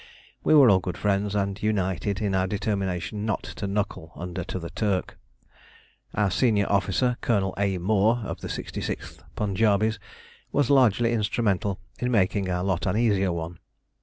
We were all good friends, and united in our determination not to knuckle under to the Turk. Our senior officer, Colonel A. Moore, of the 66th Punjabis, was largely instrumental in making our lot an easier one.